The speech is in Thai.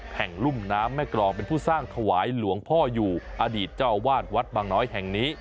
รุ่มน้ำแม่กรองเป็นผู้สร้างถวายหลวงพ่ออยู่อดีตเจ้าวาดวัดบางน้อยแห่งนี้